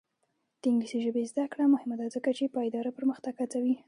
د انګلیسي ژبې زده کړه مهمه ده ځکه چې پایداره پرمختګ هڅوي.